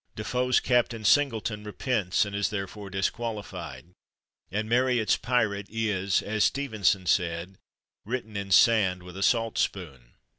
Defoe's " Captain Singleton " repents and is therefore disqualified, and Marryat's " Pirate " is, as Stevenson said, " written in sand with a saltspoon."